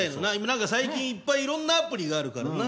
何か最近いっぱいいろんなアプリがあるからな。